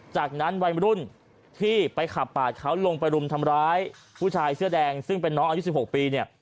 จากนั้นวัยมรุ่นที่ไปขับปาดเขาลงไปรุมทำร้ายผู้ชายเสื้อแดงซึ่งเป็นน้องอายุ๑๖ปีเนี่ย